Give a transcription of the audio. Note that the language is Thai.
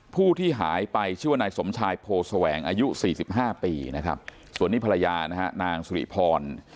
พูดที่หายไปชิ้วเนินสมชายโพสแหวงอายุ๔๕ปีนะฮะส่วนนี้ภรรยานางสุฤิภร